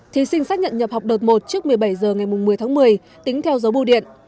thí sinh xác nhận nhập học đợt một trước một mươi bảy h ngày một mươi tháng một mươi tính theo dấu bù điện